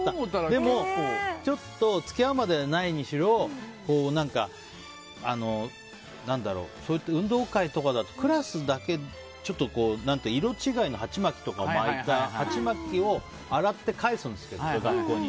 でも付き合うまではないにしろ運動会とかだとクラスだけ色違いの鉢巻きを巻いた鉢巻きを洗って返すんですけど、学校に。